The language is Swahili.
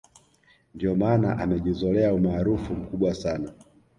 ndio maana amejizolea umaarufu mkubwa sana